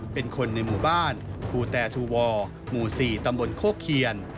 เป็นคนในหมู่บ้านภูแตทูวอร์หมู่๔ตำบลโคเคียน